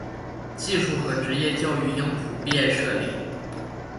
技术和职业教育应普遍设立。